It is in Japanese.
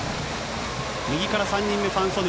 右から３人目、ファン・ソヌ。